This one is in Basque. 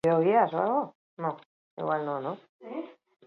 Partida hau arraroa izan dela eman diren baldintza guztiengatik ere esan du.